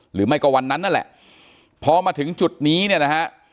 หรือไม่ก็วันนั้นนั่นแหละพอมาถึงจุดนี้เนี่ยนะฮะ